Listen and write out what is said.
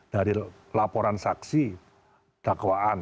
dari laporan saksi dakwaan